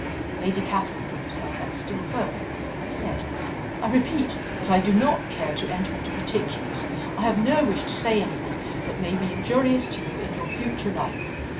Lady Catherine drew herself up still further, and said: "I repeat that I do not care to enter into particulars. I have no wish to say anything that may be injurious to you in your future life.